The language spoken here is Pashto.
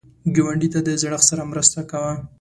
ګاونډي ته د زړښت سره مرسته کوه